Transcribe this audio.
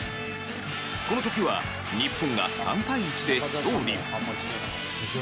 この時は日本が３対１で勝利。